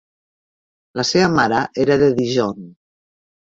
La seva mare era de Dijon.